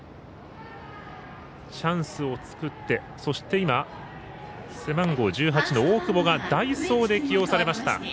チャンスを作ってそして今背番号１８の大久保が代走で起用されました。